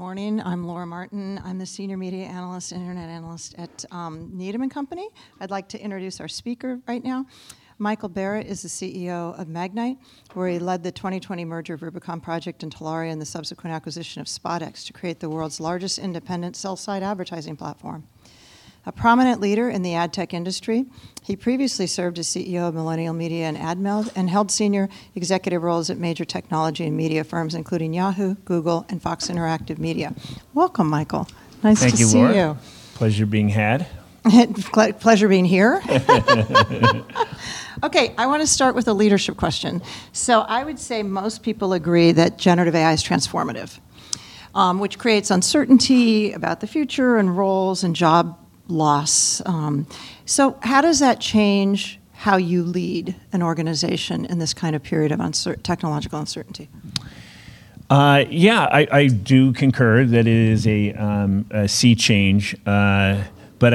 Morning, I'm Laura Martin. I'm the senior media analyst, internet analyst at Needham & Company. I'd like to introduce our speaker right now. Michael Barrett is the CEO of Magnite, where he led the 2020 merger of Rubicon Project and Telaria and the subsequent acquisition of SpotX to create the world's largest independent sell-side advertising platform. A prominent leader in the ad tech industry, he previously served as CEO of Millennial Media and AdMeld and held senior executive roles at major technology and media firms including Yahoo, Google, and Fox Interactive Media. Welcome, Michael. Nice to see you. Thank you, Laura. Pleasure being had. Pleasure being here. I wanna start with a leadership question. I would say most people agree that generative AI is transformative, which creates uncertainty about the future and roles and job loss, so how does that change how you lead an organization in this kind of period of technological uncertainty? Yeah, I do concur that it is a sea change. I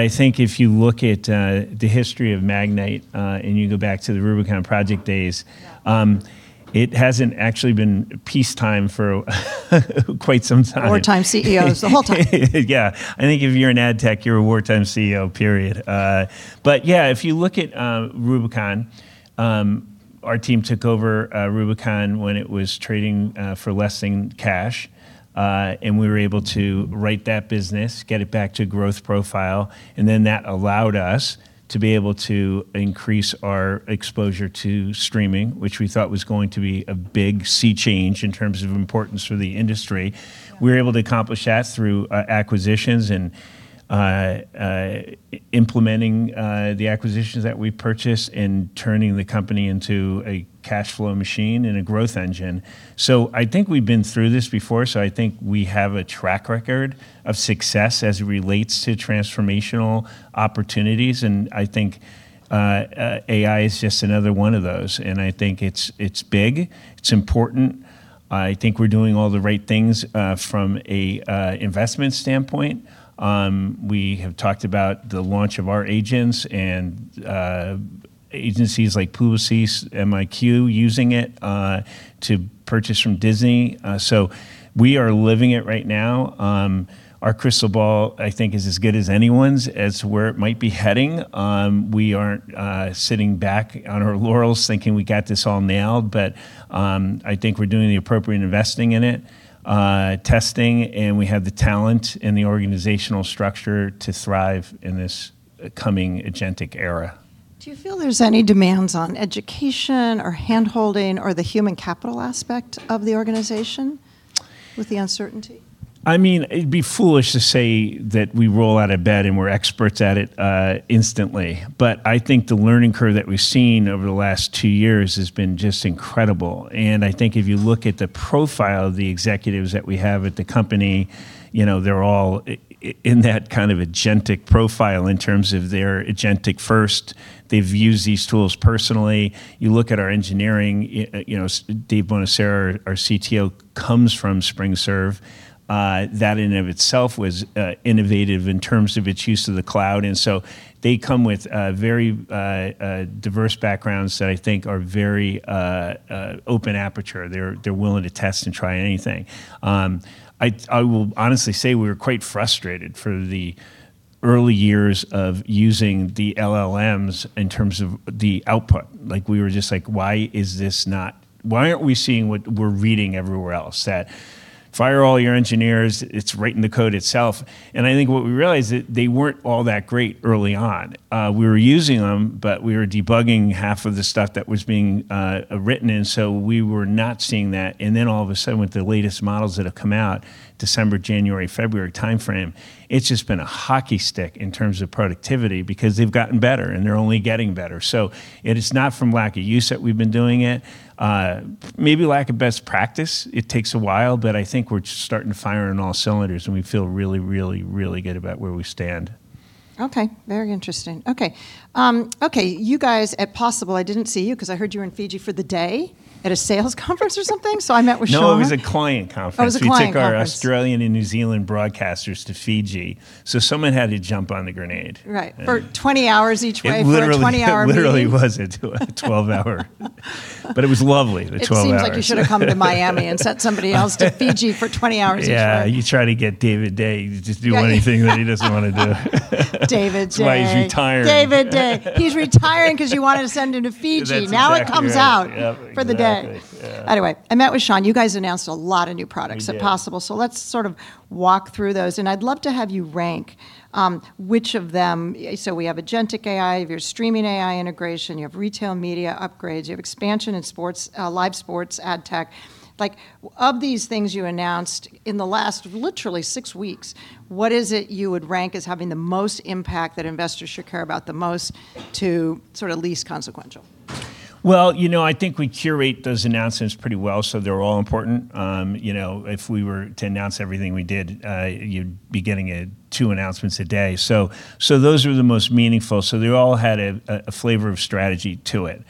think if you look at the history of Magnite and you go back to the Rubicon Project days. Yeah It hasn't actually been peacetime for quite some time. Wartime CEOs the whole time. Yeah. I think if you're in ad tech, you're a wartime CEO, period. Yeah, if you look at Rubicon, our team took over Rubicon when it was trading for less in cash. We were able to right that business, get it back to growth profile, and then that allowed us to be able to increase our exposure to streaming, which we thought was going to be a big sea change in terms of importance for the industry. Yeah. We were able to accomplish that through acquisitions and implementing the acquisitions that we purchased and turning the company into a cash flow machine and a growth engine. I think we've been through this before, so I think we have a track record of success as it relates to transformational opportunities, and I think AI is just another one of those. I think it's big. It's important. I think we're doing all the right things from a investment standpoint. We have talked about the launch of our agents and agencies like Publicis, MiQ using it to purchase from Disney. We are living it right now. Our crystal ball, I think, is as good as anyone's as to where it might be heading. We aren't sitting back on our laurels thinking we got this all nailed, but I think we're doing the appropriate investing in it, testing, and we have the talent and the organizational structure to thrive in this coming agentic era. Do you feel there's any demands on education or hand-holding or the human capital aspect of the organization with the uncertainty? I mean, it'd be foolish to say that we roll out of bed and we're experts at it instantly. I think the learning curve that we've seen over the last two years has been just incredible, and I think if you look at the profile of the executives that we have at the company, you know, they're all in that kind of agentic profile in terms of they're agentic first. They've used these tools personally. You look at our engineering, you know, David Buonasera, our CTO, comes from SpringServe. That in and of itself was innovative in terms of its use of the cloud, they come with very diverse backgrounds that I think are very open aperture. They're willing to test and try anything. I will honestly say we were quite frustrated for the early years of using the LLMs in terms of the output. Like, we were just like, "Why aren't we seeing what we're reading everywhere else, that fire all your engineers, it's right in the code itself?" I think what we realized that they weren't all that great early on. We were using them, but we were debugging half of the stuff that was being written in, so we were not seeing that. All of a sudden, with the latest models that have come out, December, January, February timeframe, it's just been a hockey stick in terms of productivity because they've gotten better, and they're only getting better. It is not from lack of use that we've been doing it. Maybe lack of best practice. It takes a while, but I think we're starting to fire on all cylinders, and we feel really, really, really good about where we stand. Okay, very interesting. Okay. You guys at POSSIBLE, I didn't see you 'cause I heard you were in Fiji for the day at a sales conference or something. I met with Sean- No, it was a client conference. Oh, it was a client conference. We took our Australian and New Zealand broadcasters to Fiji. Someone had to jump on the grenade. Right. For 20 hours each way. It literally- For a 20-hour meeting. It literally was a 12-hour. It was lovely, the 12 hours. It seems like you should have come to Miami and sent somebody else to Fiji for 20 hours each way. Yeah. You try to get David Day to do anything that he doesn't wanna do. David Day. That's why he's retiring. David Day. He's retiring 'cause you wanted to send him to Fiji. That's exactly right. Now it comes out- Yep For the day. Exactly. Yeah. I met with Sean. You guys announced a lot of new products. We did. At POSSIBLE. Let's sort of walk through those, and I'd love to have you rank which of them. We have agentic AI, you have your streaming AI integration, you have retail media upgrades, you have expansion in sports, live sports ad tech. Like, of these things you announced in the last literally six weeks, what is it you would rank as having the most impact that investors should care about the most to sort of least consequential? Well, you know, I think we curate those announcements pretty well, so they're all important. You know, if we were to announce everything we did, you'd be getting two announcements a day. Those are the most meaningful. They all had a flavor of strategy to it.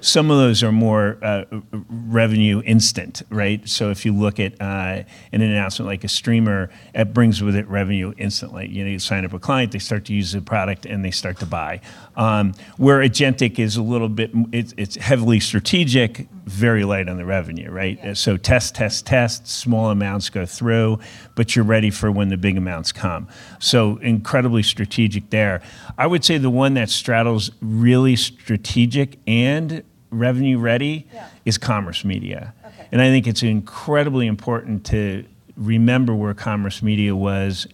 Some of those are more revenue instant, right? If you look at an announcement like a streamer, it brings with it revenue instantly. You know, you sign up a client, they start to use the product, and they start to buy. Where agentic is a little bit It's heavily strategic, very light on the revenue, right? Yeah. Test, test. Small amounts go through, but you're ready for when the big amounts come. Incredibly strategic there. I would say the one that straddles really strategic and revenue ready. Yeah Is Commerce Media. Okay. I think it's incredibly important to remember where Commerce Media was.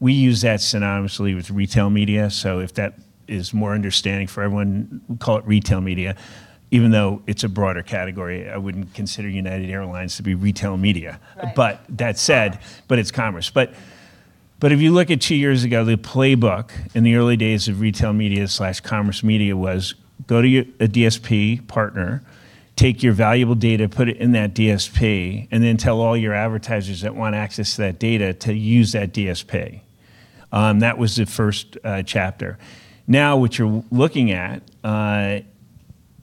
We use that synonymously with Retail Media, so if that is more understanding for everyone, call it Retail Media, even though it's a broader category. I wouldn't consider United Airlines to be Retail Media. Right. That said, it's commerce. If you look at two years ago, the playbook in the early days of Retail Media/Commerce Media was go to a DSP partner, take your valuable data, put it in that DSP, and then tell all your advertisers that want access to that data to use that DSP. That was the first chapter. What you're looking at,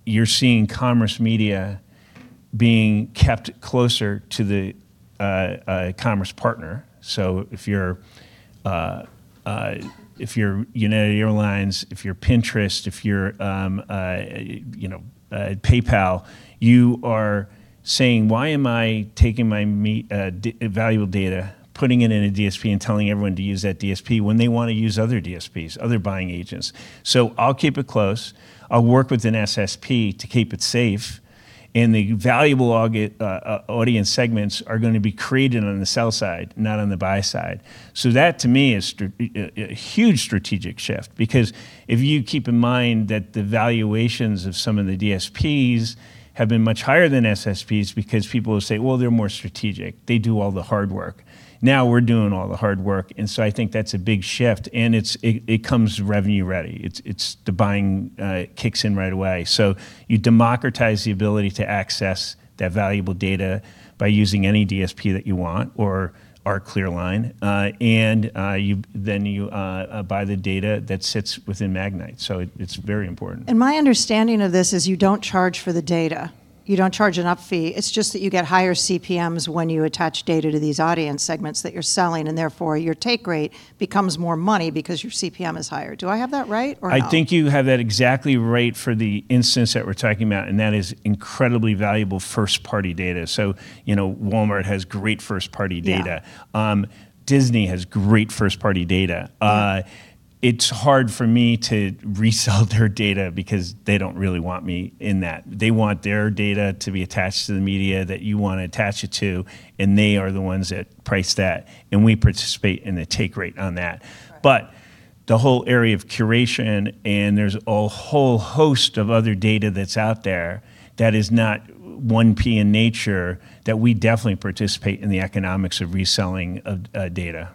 you're seeing Commerce Media being kept closer to the commerce partner. If you're United Airlines, if you're Pinterest, if you're, you know, PayPal, you are saying, "Why am I taking my valuable data, putting it in a DSP and telling everyone to use that DSP when they wanna use other DSPs, other buying agents? I'll keep it close. I'll work with an SSP to keep it safe. The valuable audience segments are gonna be created on the sell-side, not on the buy-side. That, to me, is a huge strategic shift because if you keep in mind that the valuations of some of the DSPs have been much higher than SSPs because people will say, "Well, they're more strategic. They do all the hard work." Now we're doing all the hard work, and so I think that's a big shift. It comes revenue ready. The buying kicks in right away. You democratize the ability to access that valuable data by using any DSP that you want or our ClearLine. And you, then you buy the data that sits within Magnite. It, it's very important. My understanding of this is you don't charge for the data. You don't charge an up fee. It's just that you get higher CPMs when you attach data to these audience segments that you're selling, and therefore your take rate becomes more money because your CPM is higher. Do I have that right or no? I think you have that exactly right for the instance that we're talking about, and that is incredibly valuable first-party data. You know, Walmart has great first-party data. Yeah. Disney has great first-party data. Yeah. It's hard for me to resell their data because they don't really want me in that. They want their data to be attached to the media that you wanna attach it to, and they are the ones that price that. We participate in the take rate on that. Right. The whole area of curation, and there's a whole host of other data that's out there that is not 1P in nature that we definitely participate in the economics of reselling of, data.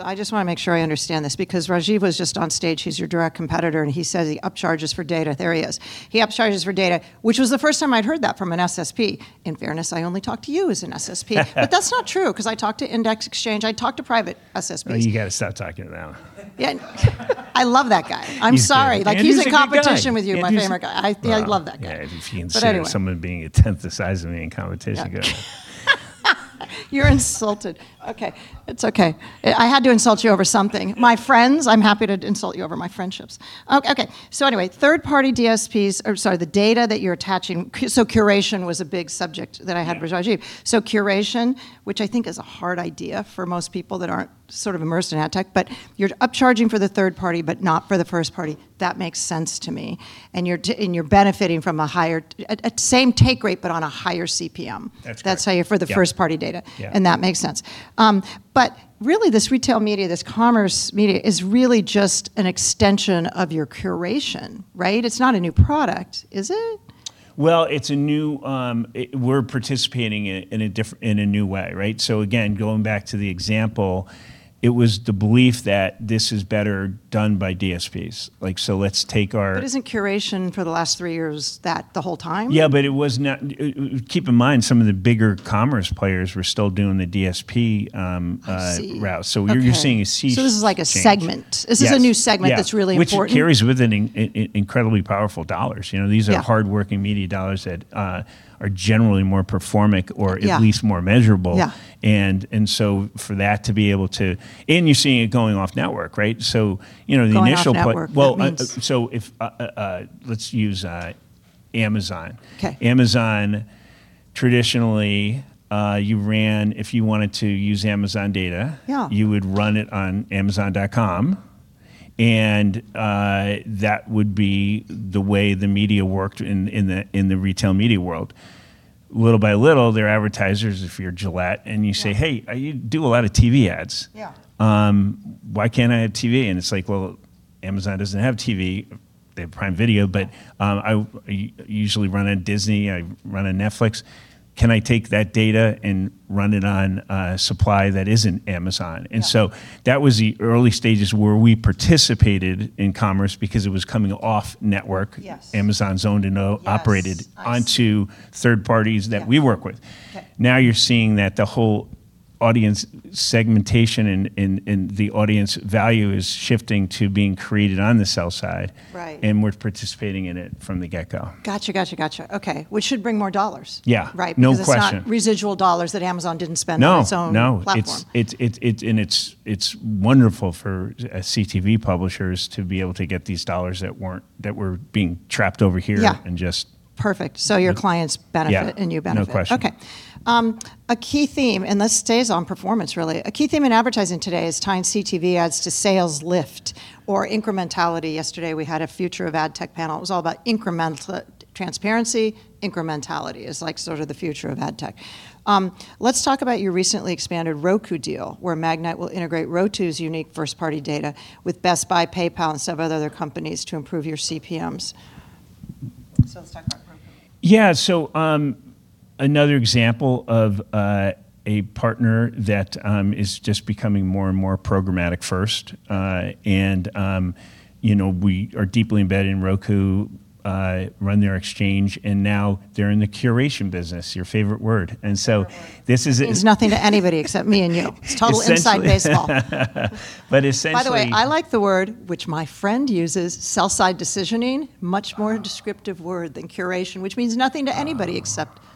I just wanna make sure I understand this because Rajeev was just on stage. He's your direct competitor, he says he up charges for data. There he is. He up charges for data, which was the first time I'd heard that from an SSP. In fairness, I only talk to you as an SSP. That's not true, 'cause I talk to Index Exchange, I talk to private SSPs. Oh, you gotta stop talking to them. Yeah. I love that guy. He's great. I'm sorry. Andy's a good guy. Like, he's in competition with you, my favorite guy. Andy's- I love that guy. Yeah. Anyway. Someone being a 10th the size of me in competition, he goes. You're insulted. Okay. It's okay. I had to insult you over something. My friends, I'm happy to insult you over my friendships. Okay. Anyway, third-party DSPs, or sorry, the data that you're attaching. So curation was a big subject. Yeah With Rajeev. Curation, which I think is a hard idea for most people that aren't sort of immersed in ad tech, you're up charging for the third party, but not for the first party. That makes sense to me. You're benefiting from a higher, a same take rate, but on a higher CPM. That's right. That's how. Yeah For the first-party data. Yeah. That makes sense. Really, this retail media, this commerce media is really just an extension of your curation, right? It's not a new product, is it? Well, it's a new, We're participating in it in a new way, right? Again, going back to the example, it was the belief that this is better done by DSPs. Isn't curation for the last three years that the whole time? It was not, keep in mind, some of the bigger commerce players were still doing the DSP. I see. Route. Okay. You're seeing a sea change. This is like a segment. Yes. This is a new segment. Yeah That's really important. Which carries with it in incredibly powerful dollars, you know? Yeah. These are hardworking media dollars that are generally more performic. Yeah At least more measurable. Yeah. You're seeing it going off network, right? You know, the initial part- Going off network, what it means. Well, if, let's use Amazon. Okay. Amazon, traditionally, you ran, if you wanted to use Amazon data. Yeah You would run it on amazon.com, and that would be the way the media worked in the, in the retail media world. Little by little, their advertisers, if you're Gillette. Yeah Hey, you do a lot of TV ads. Yeah. Why can't I have TV?" It's like, well, Amazon doesn't have TV. They have Prime Video. Yeah I usually run on Disney, I run on Netflix. Can I take that data and run it on a supply that isn't Amazon? Yeah. That was the early stages where we participated in commerce because it was coming off network. Yes. Amazon's owned and— Yes Operated— I see. Onto third parties. Yeah We work with. Okay. Now you're seeing that the whole audience segmentation and the audience value is shifting to being created on the sell side. Right. We're participating in it from the get-go. Gotcha, gotcha. Okay. Which should bring more dollars. Yeah. Right? No question. Because it's not residual dollars that Amazon didn't spend. No, no. On its own platform. It's wonderful for CTV publishers to be able to get these dollars that weren't, that were being trapped over here. Yeah And just— Perfect. Okay. your clients benefit— Yeah You benefit. No question. A key theme, this stays on performance really. A key theme in advertising today is tying CTV ads to sales lift or incrementality. Yesterday we had a future of ad tech panel. It was all about incremental transparency. Incrementality is like sort of the future of ad tech. Let's talk about your recently expanded Roku deal, where Magnite will integrate Roku's unique first-party data with Best Buy, PayPal, and several other companies to improve your CPMs. Let's talk about Roku. Yeah. Another example of a partner that is just becoming more and more programmatic first. You know, we are deeply embedded in Roku, run their exchange, and now they're in the curation business, your favorite word. Favorite word? this is— Means nothing to anybody except me and you. Essentially. It's total inside baseball. But essentially- I like the word, which my friend uses, sell-side decisioning, much more descriptive word than curation, which means nothing to anybody except us.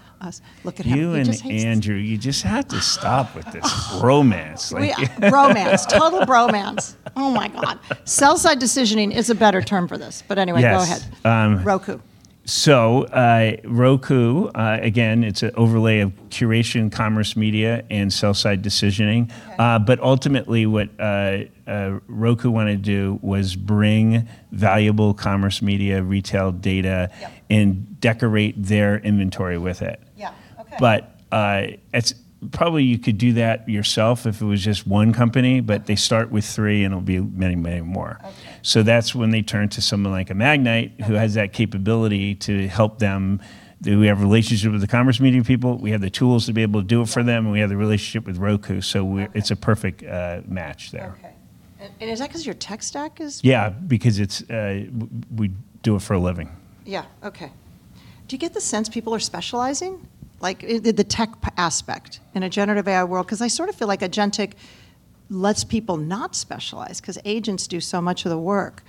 Look at him. He just hates it. You and Andy, you just have to stop with this bromance. Like We, bromance. Total bromance. Oh, my God. Sell-side decisioning is a better term for this. Yes. Go ahead. Roku. Roku, again, it's an overlay of curation, Commerce Media, and sell-side decisioning. Okay. Ultimately, what Roku wanna do was bring valuable Commerce Media Retail data. Yep Decorate their inventory with it. Yeah. Okay. It's probably you could do that yourself if it was just one company. Yeah They start with three, and it'll be many, many more. Okay. That's when they turn to someone like a Magnite. Okay Who has that capability to help them. Do we have a relationship with the commerce media people? We have the tools to be able to do it for them. Yeah. We have the relationship with Roku, so— Okay It's a perfect match there. Okay. Is that because your tech stack? Yeah, because it's, we do it for a living. Yeah. Okay. Do you get the sense people are specializing? Like the tech aspect in a generative AI world, 'cause I sort of feel like agentic lets people not specialize, 'cause agents do so much of the work.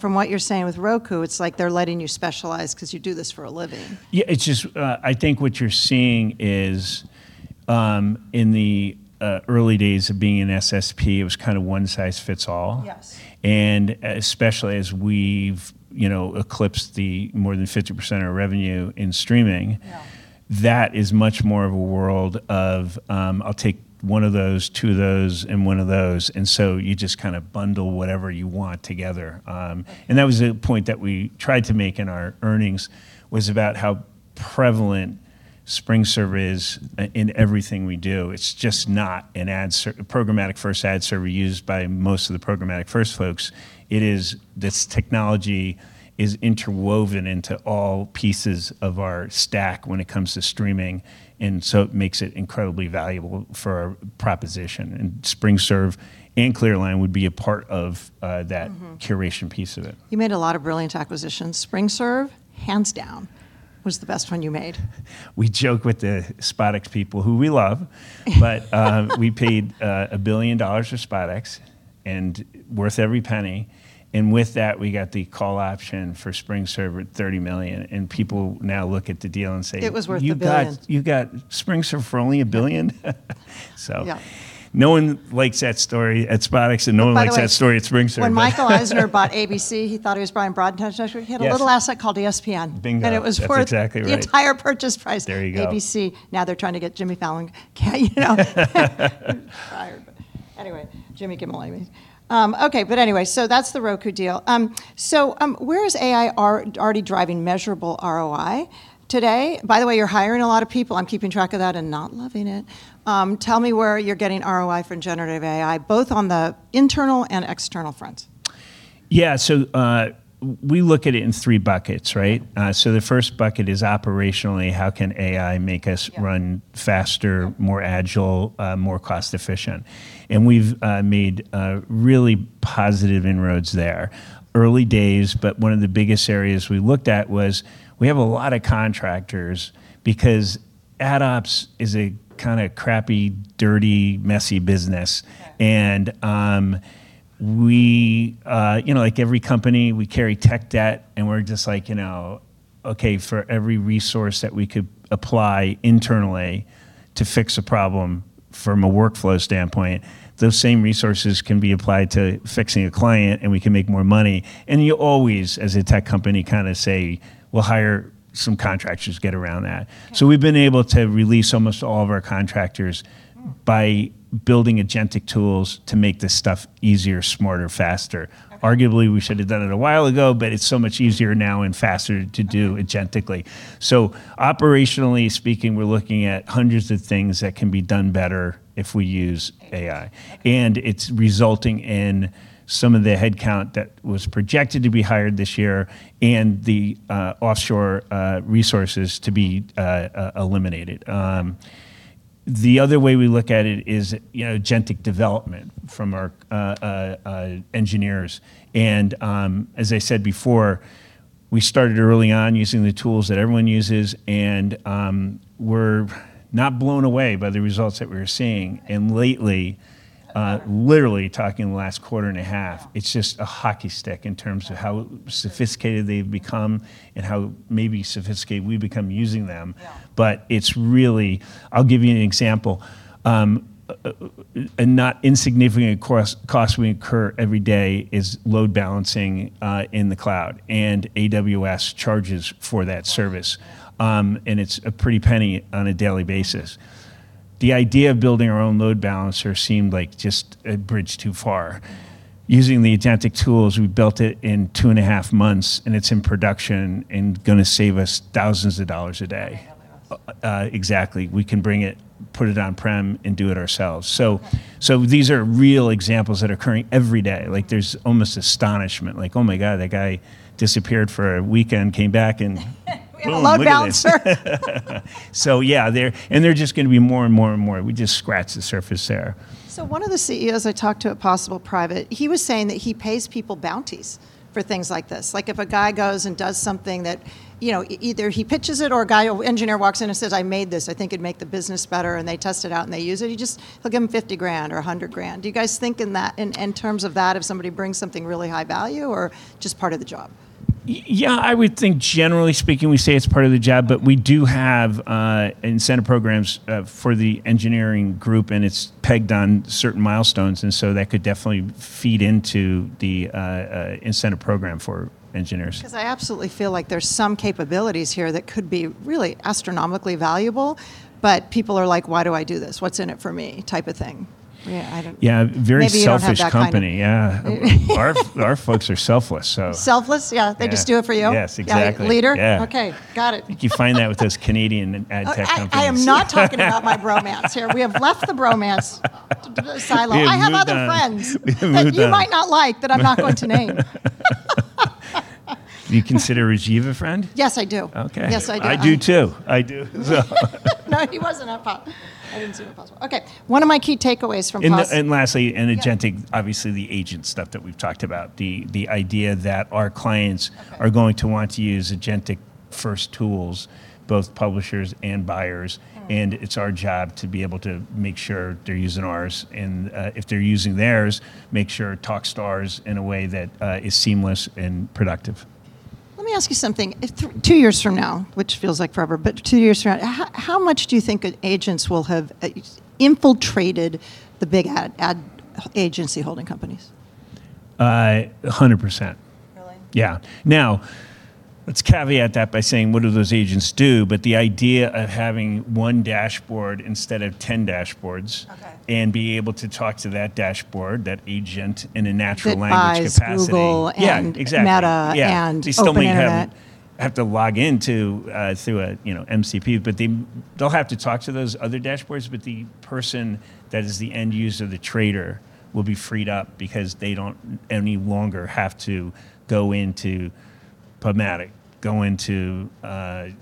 From what you're saying with Roku, it's like they're letting you specialize 'cause you do this for a living. It's just, I think what you're seeing is, in the early days of being an SSP, it was kind of one size fits all. Yes. Especially as we've, you know, eclipsed the more than 50% of revenue in streaming. Yeah That is much more of a world of, I'll take one of those, two of those, and one of those. You just kind of bundle whatever you want together. Okay That was a point that we tried to make in our earnings, was about how prevalent SpringServe is in everything we do. It's just not a programmatic first ad server used by most of the programmatic first folks. It is this technology is interwoven into all pieces of our stack when it comes to streaming. It makes it incredibly valuable for our proposition. SpringServe and ClearLine would be a part of curation piece of it. You made a lot of brilliant acquisitions. SpringServe, hands down, was the best one you made. We joke with the SpotX people, who we love. We paid $1 billion for SpotX, and worth every penny. With that, we got the call option for SpringServe at $30 million, and people now look at the deal and say. It was worth $1 billion. You got SpringServe for only $1 billion? Yeah. No one likes that story at SpotX, and no one likes that story at SpringServe. By the way, when Michael Eisner bought ABC, he thought he was buying broadcasting. Yes He had a little asset called ESPN. Bingo. And it was worth— That's exactly right. The entire purchase price There you go. ABC. Now they're trying to get Jimmy Fallon, you know, fired. Anyway, Jimmy Kimmel anyways. Okay. Anyway, so that's the Roku deal. Where is AI already driving measurable ROI today? By the way, you're hiring a lot of people. I'm keeping track of that and not loving it. Tell me where you're getting ROI from generative AI, both on the internal and external front. Yeah, we look at it in three buckets, right? The first bucket is operationally, how can AI make us— Yeah Run faster, more agile, more cost efficient? We've made really positive inroads there. Early days, one of the biggest areas we looked at was we have a lot of contractors because ad ops is a kinda crappy, dirty, messy business. Yeah. We, you know, like every company, we carry tech debt, and we're just like, you know, okay, for every resource that we could apply internally to fix a problem from a workflow standpoint, those same resources can be applied to fixing a client, and we can make more money. You always, as a tech company, kinda say, "We'll hire some contractors to get around that. Yeah. We've been able to release almost all of our contractors. By building agentic tools to make this stuff easier, smarter, faster. Okay. Arguably, we should've done it a while ago, but it's so much easier now and faster to do agentically. Operationally speaking, we're looking at hundreds of things that can be done better if we use AI. AI. Okay. It's resulting in some of the headcount that was projected to be hired this year and the offshore resources to be eliminated. The other way we look at it is, you know, agentic development from our engineers. As I said before, we started early on using the tools that everyone uses, and we're not blown away by the results that we were seeing. Lately, literally talking the last quarter and a half. Yeah. It's just a hockey stick in terms of how— Okay Sophisticated they've become and how maybe sophisticated we've become using them. Yeah. It's really I'll give you an example. A not insignificant cost we incur every day is load balancing in the cloud, and AWS charges for that service. It's a pretty penny on a daily basis. The idea of building our own load balancer seemed like just a bridge too far. Using the agentic tools, we built it in 2.5 months, and it's in production and gonna save us thousands of dollars a day. Exactly. We can bring it, put it on-prem, and do it ourselves. Yeah These are real examples that are occurring every day. Like, there's almost astonishment. Like, "Oh, my God, that guy disappeared for a weekend, came back, and boom. We have a load balancer Look at this." Yeah, there are just gonna be more and more and more. We just scratched the surface there. One of the CEOs I talked to at POSSIBLE Private, he was saying that he pays people bounties for things like this. Like, if a guy goes and does something that, you know, either he pitches it or a engineer walks in and says, "I made this. I think it'd make the business better," and they test it out and they use it, he'll give them $50 grand or $100 grand. Do you guys think in terms of that if somebody brings something really high value or just part of the job? Yeah, I would think generally speaking we say it's part of the job, but we do have incentive programs for the engineering group, and it's pegged on certain milestones. That could definitely feed into the incentive program for engineers. I absolutely feel like there's some capabilities here that could be really astronomically valuable, but people are like, "Why do I do this? What's in it for me?" type of thing. Yeah, very selfish company. Maybe you don't have. Yeah. Our folks are selfless. Selfless? Yeah. Yeah. They just do it for you? Yes, exactly. Yeah, leader? Yeah. Okay, got it. You find that with those Canadian ad tech companies. I am not talking about my bromance here. We have left the bromance silo. We have moved on. I have other friends. We have moved on. That you might not like that I'm not going to name. Do you consider Rajeev a friend? Yes, I do. Okay. Yes, I do. I do, too. I do, so. I didn't see him at POSSIBLE. Okay, one of my key takeaways from— Lastly. Yeah Obviously the agent stuff that we've talked about. Okay Are going to want to use agentic-first tools, both publishers and buyers. It's our job to be able to make sure they're using ours. If they're using theirs, make sure it talks to ours in a way that is seamless and productive. Let me ask you something. If two years from now, which feels like forever, but two years from now, how much do you think agents will have infiltrated the big ad agency holding companies? 100%. Really? Yeah. Now, let's caveat that by saying, what do those agents do? The idea of having one dashboard instead of 10 dashboards. Okay Be able to talk to that dashboard, that agent in a natural language capacity. That Buys, Google and— Yeah, exactly. Meta and— Yeah Open Internet they still may have to log in to, through a, you know, MCP, but they'll have to talk to those other dashboards, but the person that is the end user, the trader, will be freed up because they don't any longer have to go into PubMatic, go into,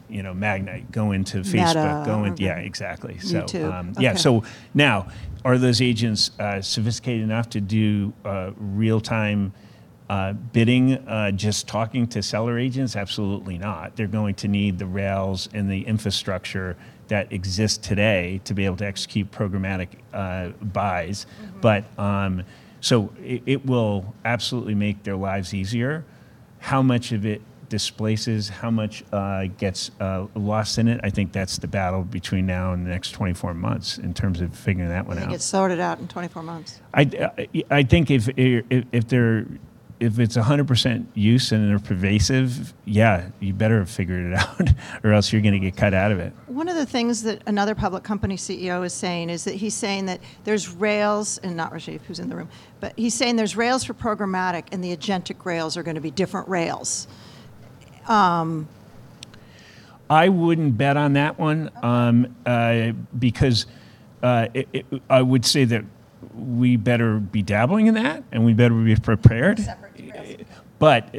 you know, Magnite, go into Facebook. Meta Yeah, exactly. YouTube Yeah. Now are those agents sophisticated enough to do real-time bidding, just talking to seller agents? Absolutely not. They're going to need the rails and the infrastructure that exists today to be able to execute programmatic buys. It will absolutely make their lives easier. How much of it displaces, how much gets lost in it, I think that's the battle between now and the next 24 months in terms of figuring that one out. You think it's sorted out in 24 months? I think if they're, if it's 100% use and they're pervasive, yeah, you better have figured it out or else you're gonna get cut out of it. One of the things that another public company CEO is saying is that he's saying that there's rails and not Rajeev, who's in the room. He's saying there's rails for programmatic, and the agentic rails are gonna be different rails. I wouldn't bet on that one. Okay. It I would say that we better be dabbling in that, and we better be prepared. Separate rails.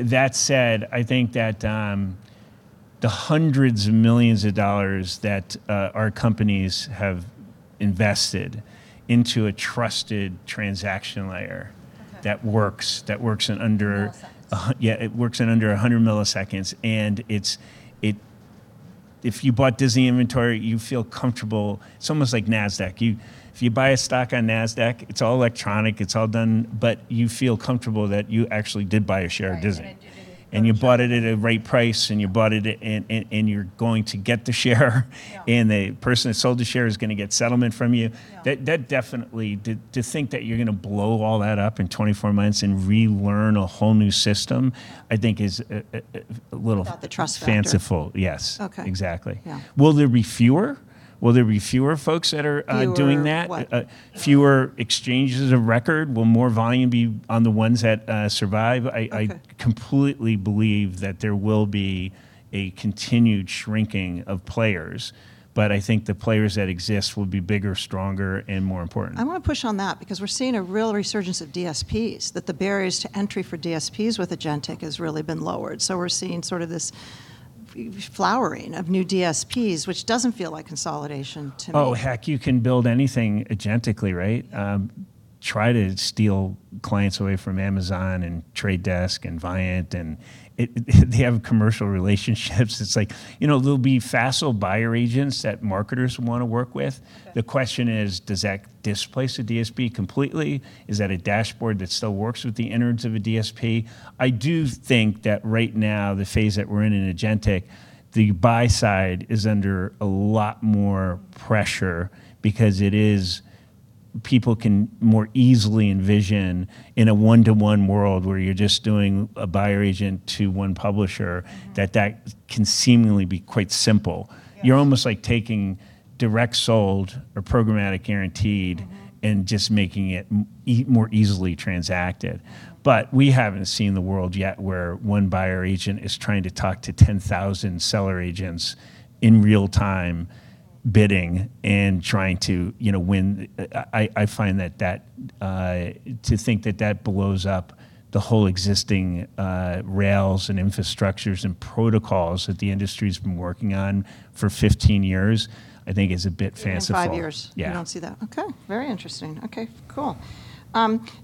That said, I think that the hundreds of millions of dollars that our companies have invested into a trusted transaction layer that works. Milliseconds Yeah, it works in under 100 milliseconds, and it's if you bought Disney inventory, you feel comfortable. It's almost like NASDAQ. You, if you buy a stock on NASDAQ, it's all electronic. It's all done. You feel comfortable that you actually did buy a share of Disney. Right, it did it in a transaction. You bought it at a right price, and you're going to get the share. Yeah. The person that sold the share is gonna get settlement from you. Yeah. That definitely To think that you're gonna blow all that up in 24 months and relearn a whole new system I think is a little. Without the trust factor. Fanciful. Yes. Okay. Exactly. Yeah. Will there be fewer? Will there be fewer folks that are doing that? Fewer what? Fewer exchanges of record? Will more volume be on the ones that survive? Okay Completely believe that there will be a continued shrinking of players. I think the players that exist will be bigger, stronger, and more important. I wanna push on that because we're seeing a real resurgence of DSPs, that the barriers to entry for DSPs with agentic has really been lowered. We're seeing sort of this flowering of new DSPs, which doesn't feel like consolidation to me. Oh, heck, you can build anything agentically, right? Try to steal clients away from Amazon and Trade Desk and Viant, they have commercial relationships. It's like, you know, there'll be facile buyer agents that marketers wanna work with. Okay. The question is, does that displace a DSP completely? Is that a dashboard that still works with the innards of a DSP? I do think that right now, the phase that we're in in agentic, the buy side is under a lot more pressure, because—People can more easily envision in a one-to-one world where you're just doing a buyer agent to one publisher. That can seemingly be quite simple. Yeah. You're almost, like, taking direct sold or programmatic guaranteed and just making it more easily transacted. We haven't seen the world yet where one buyer agent is trying to talk to 10,000 seller agents in real time, bidding and trying to, you know, win. I find that to think that that blows up the whole existing rails and infrastructures and protocols that the industry's been working on for 15 years, I think is a bit fanciful. Even five years. Yeah. You don't see that. Okay. Very interesting. Okay, cool.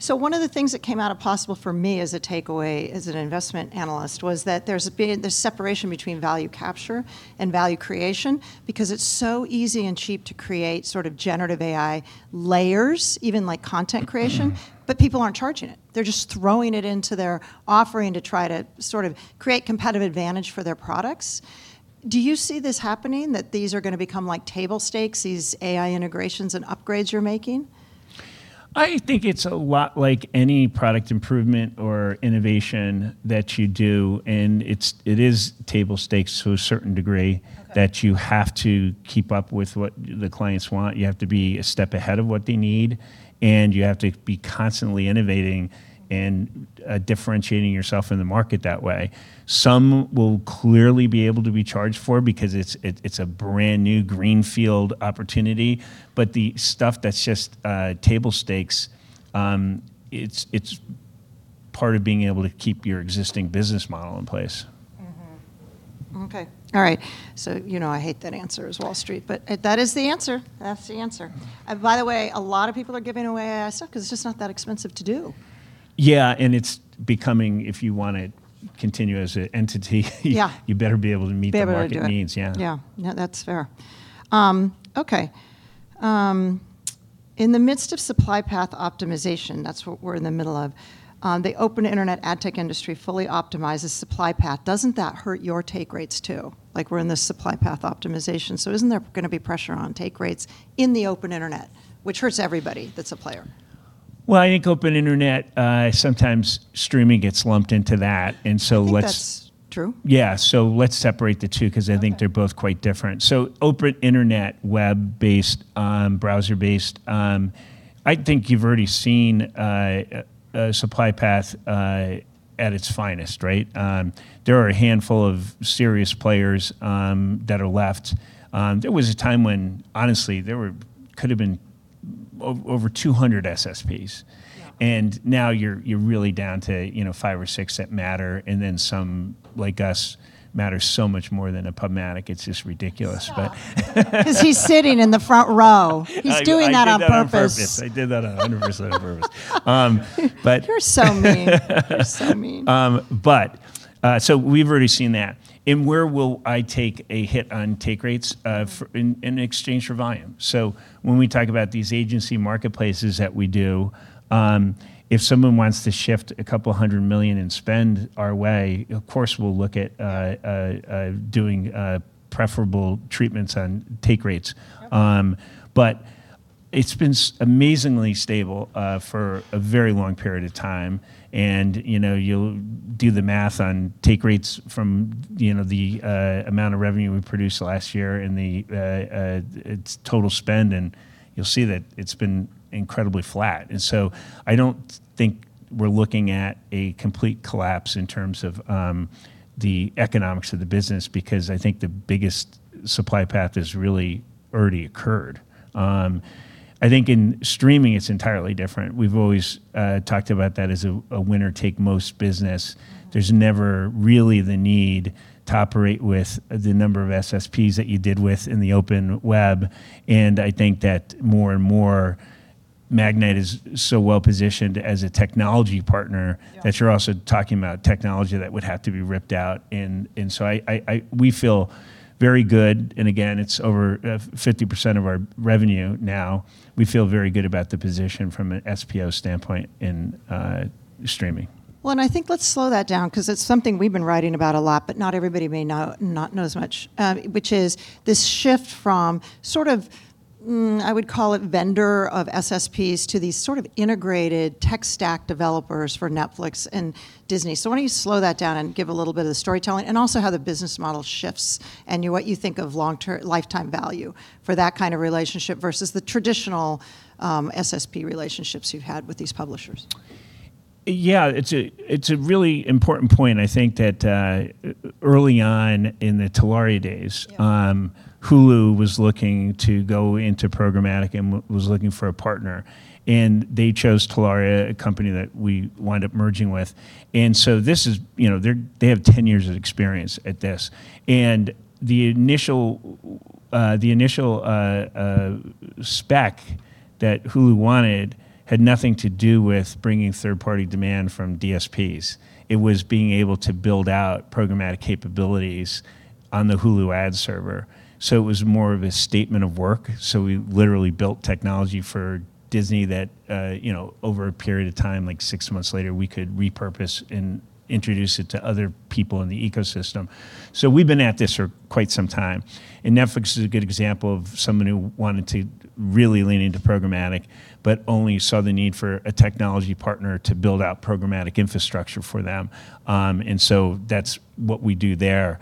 One of the things that came out of POSSIBLE for me as a takeaway, as an investment analyst, was that there's been this separation between value capture and value creation because it's so easy and cheap to create sort of generative AI layers, even content creation. But people aren't charging it. They're just throwing it into their offering to try to sort of create competitive advantage for their products. Do you see this happening, that these are gonna become like table stakes, these AI integrations and upgrades you're making? I think it's a lot like any product improvement or innovation that you do, and it is table stakes to a certain degree. Okay That you have to keep up with what the clients want. You have to be a step ahead of what they need, and you have to be constantly innovating and differentiating yourself in the market that way. Some will clearly be able to be charged for because it's a brand-new, greenfield opportunity. The stuff that's just table stakes, it's part of being able to keep your existing business model in place. Mm-hmm. Okay. All right. You know I hate that answer as Wall Street, but that is the answer. That's the answer. By the way, a lot of people are giving away AI stuff 'cause it's just not that expensive to do. Yeah, it's becoming, if you wanna continue as a entity. Yeah You better be able to meet the market needs. Be able to do it. Yeah. Yeah. No, that's fair. Okay. In the midst of supply path optimization, that's what we're in the middle of, the open internet ad tech industry fully optimizes supply path. Doesn't that hurt your take rates, too? Like, we're in this supply path optimization, so isn't there going to be pressure on take rates in the open internet, which hurts everybody that's a player? Well, I think open internet, sometimes streaming gets lumped into that. I think that's true. Yeah, let's separate the two 'cause I think. Okay They're both quite different. open internet, web-based, browser-based, I think you've already seen a supply path at its finest, right? There are a handful of serious players that are left. There was a time when honestly there were, could've been over 200 SSPs. Yeah. Now you're really down to, you know, five or six that matter, and then some, like us, matter so much more than a PubMatic, it's just ridiculous. Stop 'Cause he's sitting in the front row. I did that on purpose. He's doing that on purpose. I did that 100% on purpose. You're so mean. You're so mean. We've already seen that. Where will I take a hit on take rates for, in exchange for volume? When we talk about these agency marketplaces that we do, if someone wants to shift a couple of hundred million in spend our way, of course we'll look at doing preferable treatments on take rates. Okay. It's been amazingly stable for a very long period of time, you know, you'll do the math on take rates from, you know, the amount of revenue we produced last year and its total spend and you'll see that it's been incredibly flat. I don't think we're looking at a complete collapse in terms of the economics of the business because I think the biggest supply path has really already occurred. I think in streaming it's entirely different. We've always talked about that as a winner-take-most business. There's never really the need to operate with the number of SSPs that you did with in the open web, and I think that more and more Magnite is so well-positioned as a technology partner. Yeah That you're also talking about technology that would have to be ripped out. We feel very good, and again, it's over 50% of our revenue now. We feel very good about the position from an SPO standpoint in streaming. I think let's slow that down 'cause it's something we've been writing about a lot, but not everybody may know, not know as much, which is this shift from sort of, I would call it vendor of SSPs to these sort of integrated tech stack developers for Netflix and Disney. Why don't you slow that down and give a little bit of the storytelling, and also how the business model shifts and, you know, what you think of long-term, lifetime value for that kind of relationship versus the traditional, SSP relationships you've had with these publishers. Yeah. It's a really important point. I think that, early on in the Telaria days. Yeah Hulu was looking to go into programmatic and was looking for a partner. They chose Telaria, a company that we wind up merging with. This is, you know, they have 10 years of experience at this, and the initial spec that Hulu wanted had nothing to do with bringing third-party demand from DSPs. It was being able to build out programmatic capabilities on the Hulu ad server. It was more of a statement of work. We literally built technology for Disney that, you know, over a period of time, like six months later, we could repurpose and introduce it to other people in the ecosystem. We've been at this for quite some time. Netflix is a good example of someone who wanted to really lean into programmatic, but only saw the need for a technology partner to build out programmatic infrastructure for them. That's what we do there.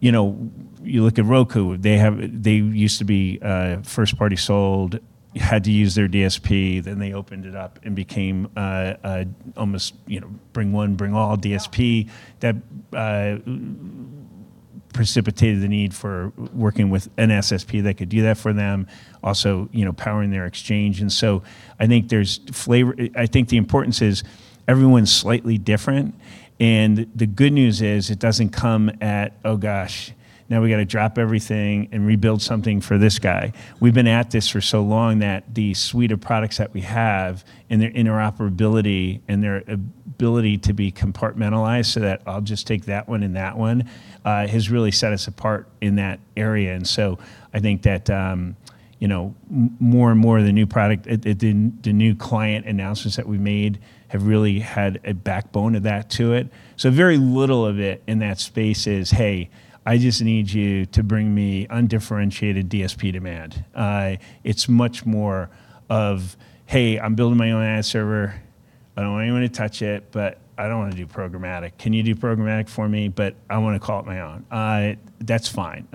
You know, you look at Roku, they used to be first party sold, you had to use their DSP, then they opened it up and became a almost, you know, bring one, bring all DSP. Yeah. That precipitated the need for working with an SSP that could do that for them. Also, you know, powering their exchange. I think there's flavor. I think the importance is everyone's slightly different. The good news is it doesn't come at, "Oh, gosh, now we gotta drop everything and rebuild something for this guy." We've been at this for so long that the suite of products that we have, and their interoperability and their ability to be compartmentalized so that I'll just take that one and that one has really set us apart in that area. I think that, you know, more and more of the new product, the new client announcements that we've made have really had a backbone of that to it. Very little of it in that space is, "Hey, I just need you to bring me undifferentiated DSP demand." It's much more of, "Hey, I'm building my own ad server. I don't want anyone to touch it, but I don't wanna do programmatic. Can you do programmatic for me, but I wanna call it my own?" That's fine.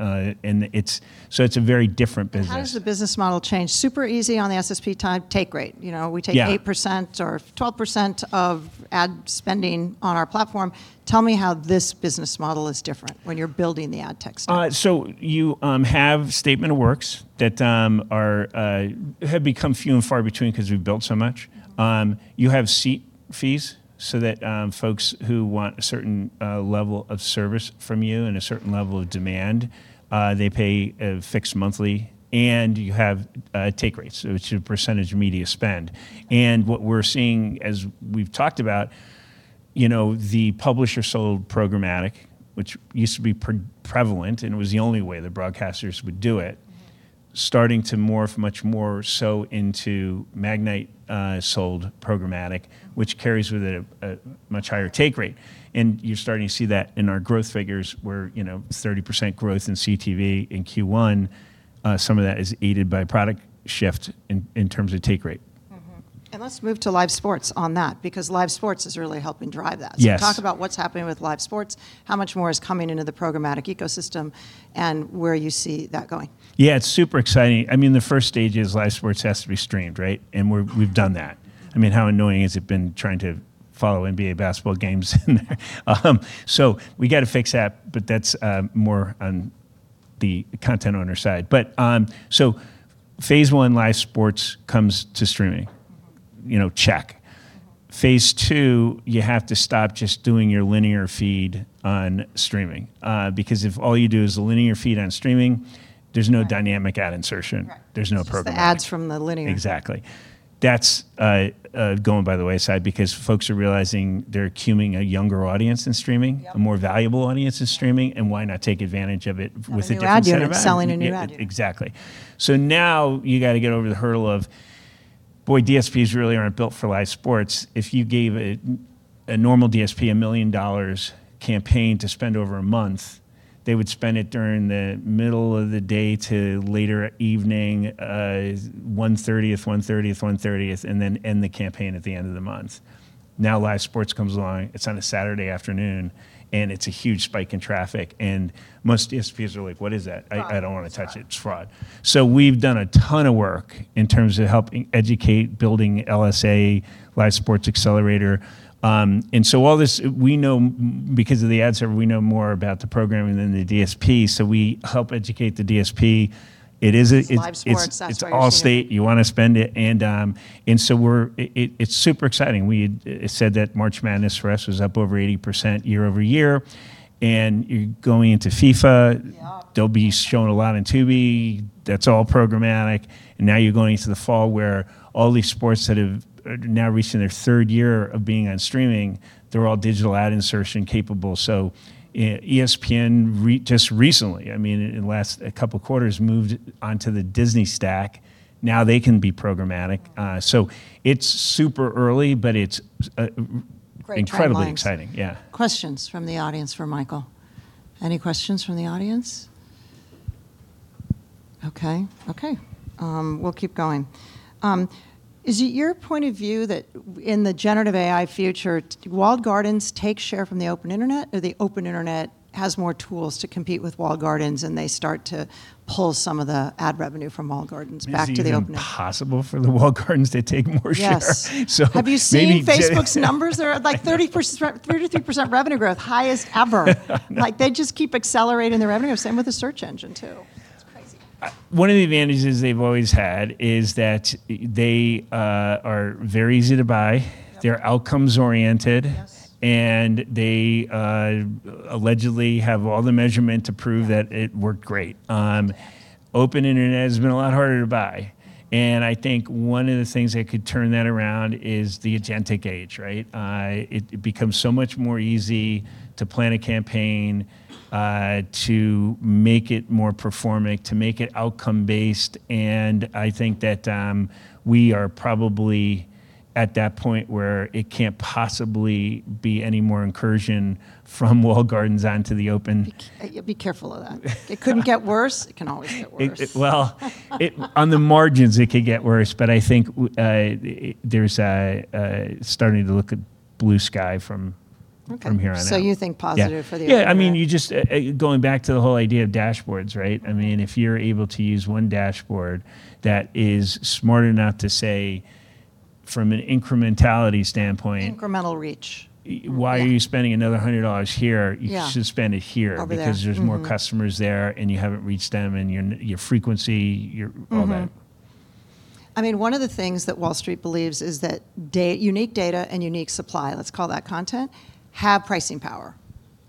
It's a very different business. How does the business model change? Super easy on the SSP side, take rate. You know. Yeah We take 8% or 12% of ad spending on our platform. Tell me how this business model is different when you're building the ad tech stack. You have statement of works that have become few and far between because we've built so much. You have seat fees so that folks who want a certain level of service from you and a certain level of demand, they pay a fixed monthly, and you have take rates, which is a percentage of media spend. What we're seeing, as we've talked about, you know, the publisher sold programmatic, which used to be prevalent, and it was the only way that broadcasters would do it. Starting to morph much more so into Magnite, sold programmatic which carries with it a much higher take rate. You're starting to see that in our growth figures, where, you know, 30% growth in CTV in Q1, some of that is aided by product shift in terms of take rate. Mm-hmm. Let's move to live sports on that, because live sports is really helping drive that. Yes. Talk about what's happening with live sports, how much more is coming into the programmatic ecosystem, and where you see that going. Yeah, it's super exciting. I mean, the first stage is live sports has to be streamed, right? We've done that. I mean, how annoying has it been trying to follow NBA basketball games in there? We gotta fix that's more on the content owner side. Phase I, live sports comes to streaming. You know, check. Phase II, you have to stop just doing your linear feed on streaming. If all you do is linear feed on streaming, there's no dynamic ad insertion. Right. There's no program. It's just the ads from the linear. Exactly. That's going by the wayside because folks are realizing they're accruing a younger audience in streaming. Yep. A more valuable audience in streaming. Yeah. Why not take advantage of it with a different set of ads? Have a new ad unit and selling a new ad unit. Exactly. Now you gotta get over the hurdle of, boy, DSPs really aren't built for live sports. If you gave a normal DSP a $1 million campaign to spend over a month, they would spend it during the middle of the day to later evening, one-thirtieth, one-thirtieth, one-thirtieth, and then end the campaign at the end of the month. Live sports comes along, it's on a Saturday afternoon, and it's a huge spike in traffic, and most DSPs are like, "What is that? Fraud. I don't wanna touch it. It's fraud. We've done a ton of work in terms of helping educate, building LSA, Live Stream Acceleration. All this, we know, because of the ad server, we know more about the programming than the DSP, so we help educate the DSP. It's live sports. That's why you're seeing it It's all safe. You wanna spend it. It's super exciting. We said that March Madness for us was up over 80% year-over-year. You're going into FIFA. Yeah. They'll be shown a lot on Tubi. That's all programmatic. Now you're going into the fall where all these sports that have now reached their third year of being on streaming, they're all dynamic ad insertion capable. ESPN just recently, I mean, in the last couple quarters, moved onto the Disney stack. Now they can be programmatic. Wow. It's super early, but it's. Great timelines. Incredibly exciting. Yeah. Questions from the audience for Michael. Any questions from the audience? Okay. Okay. We'll keep going. Is it your point of view that in the generative AI future, walled gardens take share from the open internet, or the open internet has more tools to compete with walled gardens and they start to pull some of the ad revenue from walled gardens back to the open internet? Is it even possible for the walled gardens to take more share? Yes. So maybe gen- Have you seen Facebook's numbers? They're like 30%, 33% revenue growth, highest ever. They just keep accelerating their revenue. Same with the search engine, too. One of the advantages they've always had is that they are very easy to buy. Yep. They're outcomes oriented. Yes. They, allegedly have all the measurement to prove that. Right It worked great. Open internet has been a lot harder to buy, and I think one of the things that could turn that around is the agentic age, right? It becomes so much more easy to plan a campaign, to make it more performant, to make it outcome-based, and I think that, we are probably at that point where it can't possibly be any more incursion from walled gardens onto the open. Be, yeah, be careful of that. It couldn't get worse. It can always get worse. It, on the margins it could get worse, I think there's a starting to look at blue sky. Okay From here on out. You think positive for the open internet? Yeah. Yeah, I mean, you just, going back to the whole idea of dashboards, right? I mean, if you're able to use one dashboard that is smart enough to say from an incrementality standpoint— Incremental reach. Why— Yeah Why are you spending another $100 here? Yeah. You should spend it here. Over there. Mm-hmm Because there's more customers there and you haven't reached them and your frequency, your, all that. I mean, one of the things that Wall Street believes is that unique data and unique supply, let's call that content, have pricing power.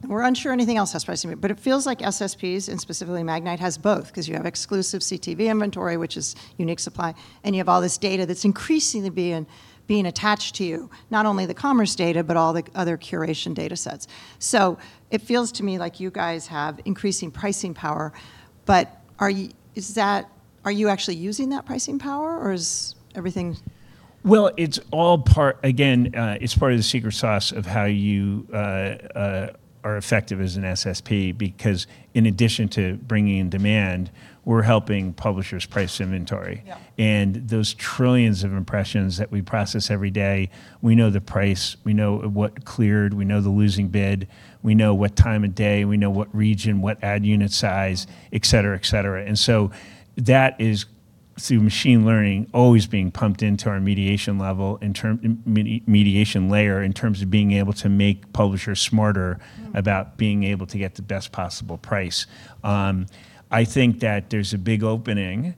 We're unsure anything else has pricing power. It feels like SSPs, and specifically Magnite, has both, 'cause you have exclusive CTV inventory, which is unique supply, and you have all this data that's increasingly being attached to you, not only the commerce data, but all the other curation data sets. It feels to me like you guys have increasing pricing power, but are you actually using that pricing power, or is everything? Well, it's all part, again, it's part of the secret sauce of how you are effective as an SSP because in addition to bringing in demand, we're helping publishers price inventory. Yeah. Those trillions of impressions that we process every day, we know the price, we know what cleared, we know the losing bid, we know what time of day, and we know what region, what ad unit size, et cetera, et cetera. That is, through machine learning, always being pumped into our mediation layer in terms of being able to make publishers smarter about being able to get the best possible price. I think that there's a big opening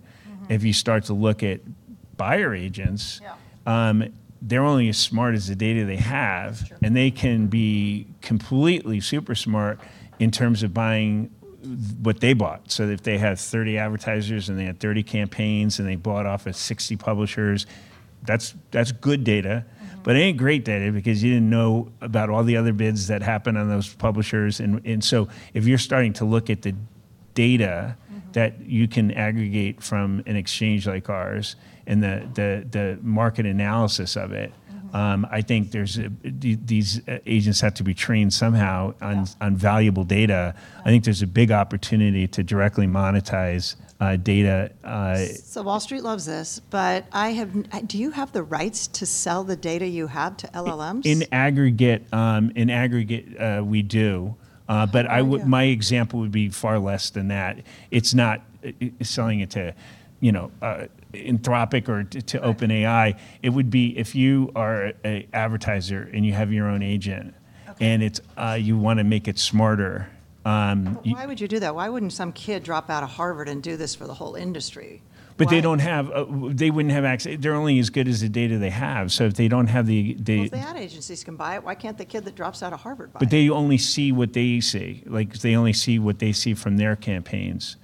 if you start to look at buyer agents. Yeah They're only as smart as the data they have. That's true. They can be completely super smart in terms of buying what they bought, so if they have 30 advertisers and they had 30 campaigns, and they bought off of 60 publishers, that's good data. It ain't great data because you didn't know about all the other bids that happened on those publishers and so if you're starting to look at the data that you can aggregate from an exchange like ours, and the market analysis of it. I think there's a, these agents have to be trained somehow on. Yeah On valuable data. Right. I think there's a big opportunity to directly monetize data. Wall Street loves this. Do you have the rights to sell the data you have to LLMs? In aggregate, we do. Oh, you do. My example would be far less than that. It's not selling it to, you know, Anthropic or to OpenAI. Right. It would be if you are a advertiser and you have your own agent— Okay It's, you wanna make it smarter. Why would you do that? Why wouldn't some kid drop out of Harvard and do this for the whole industry? They're only as good as the data they have. If they don't have the— Well, if the ad agencies can buy it, why can't the kid that drops out of Harvard buy it? They only see what they see. Like, they only see what they see from their campaigns.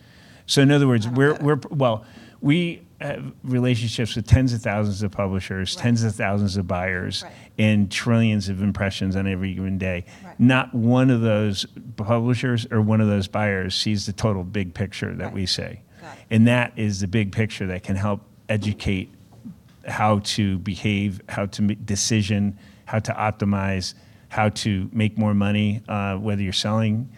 Oh, yeah. We're, well, we have relationships with tens of thousands of publishers. Right Tens of thousands of buyers. Right Trillions of impressions on every given day. Right. Not one of those publishers or one of those buyers sees the total big picture that we see. Right. Right. That is the big picture that can help educate how to behave, how to decision, how to optimize, how to make more money, whether you're selling,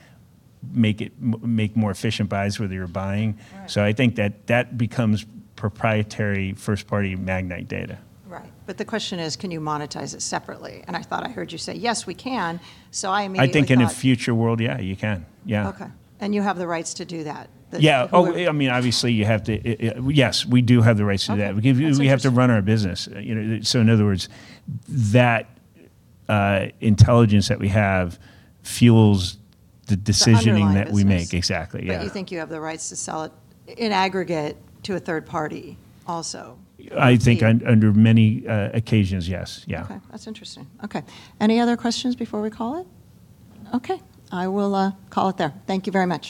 make it more efficient buys, whether you're buying. Right. I think that that becomes proprietary first-party Magnite data. Right. The question is can you monetize it separately? I thought I heard you say, "Yes, we can." I immediately thought— I think in a future world, yeah, you can. Yeah. Okay. You have the rights to do that. Yeah. Oh, I mean, Yes, we do have the rights to that. Okay. That's interesting. We have to run our business. You know, in other words, that intelligence that we have fuels the decisioning. The underlying business. That we make. Exactly, yeah. You think you have the rights to sell it in aggregate to a third party also. I think under many occasions, yes. Yeah. Okay. That's interesting. Okay. Any other questions before we call it? Okay. I will call it there. Thank you very much.